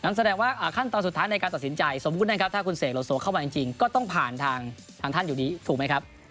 แสดงว่าขั้นตอนสุดท้ายในการตัดสินใจสมมุตินะครับถ้าคุณเสกโลโซเข้ามาจริงก็ต้องผ่านทางท่านอยู่ดีถูกไหมครับ